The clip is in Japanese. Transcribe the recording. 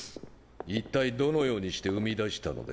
一体どのようにして生み出したのです？